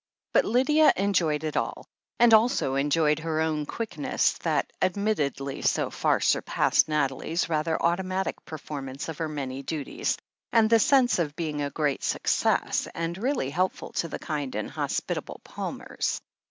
But Lydia enjoyed it all, and also enjoyed her own quickness, that admittedly so far surpassed Nathalie's rather automatic performance of her many duties, and the sense of being a great success, and really helpful to the kind and hospitable Palmers.